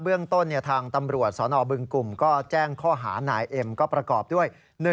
เรื่องต้นทางตำรวจสนบึงกลุ่มก็แจ้งข้อหานายเอ็มก็ประกอบด้วย